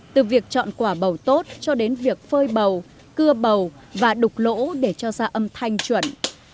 từ việc chọn quả bầu tốt cho đến việc phơi bầu cưa bầu và đục lỗ để cho ra âm thanh chuẩn